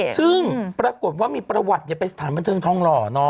ซึ่งปรากฏว่ามีประวัติไปสถานบันเทิงทองหล่อ